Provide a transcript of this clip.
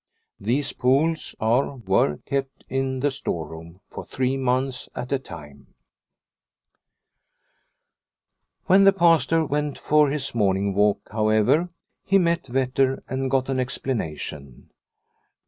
These poles are kept in the storeroom for three months at a time, 216 Liliecrona's Home When the Pastor went for his morning walk, however, he met Vetter and got an explanation.